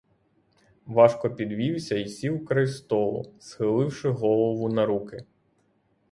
Важко підвівся й сів край столу, схиливши голову на руки.